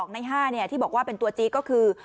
ใน๕ที่บอกว่าเป็นตัวจี๊ก็คือ